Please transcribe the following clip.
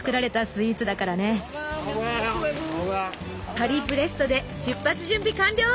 パリブレストで出発準備完了！